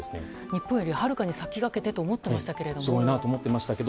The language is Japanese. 日本よりはるかに先駆けてと思っていましたが。